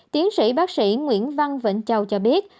tiến sĩ bác sĩ nguyễn văn vĩnh châu cho biết